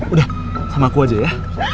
udah sama aku aja ya